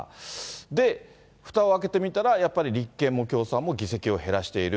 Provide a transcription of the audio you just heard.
で、ふたを開けてみたら、やっぱり立憲も共産も議席を減らしている。